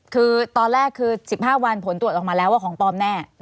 คือตอนแรกคือ๑๕วันผลตรวจออกมาแล้วว่าของปลอมแน่